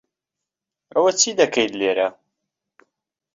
ئەوە چی دەکەیت لێرە؟